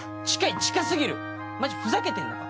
近過ぎるマジふざけてんのか？